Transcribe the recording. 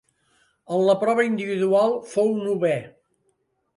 En la prova individual fou novè.